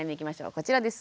こちらです。